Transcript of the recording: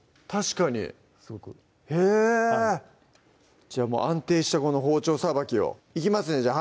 確かにへぇじゃあ安定したこの包丁さばきをいきますね